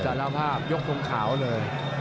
สารภาพยกทงขาวเลย